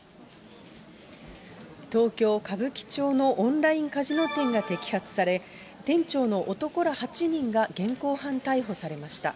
東京・歌舞伎町のオンラインカジノ店が摘発され、店長の男ら８人が現行犯逮捕されました。